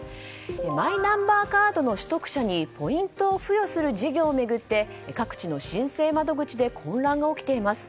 マイナンバーカードの取得者にポイントを付与する事業を巡って各地の申請窓口で混乱が起きています。